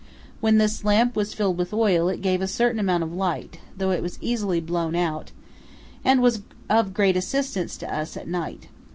When this lamp was filled with oil it gave a certain amount of light, though it was easily blown out, and was of great assistance to us at night.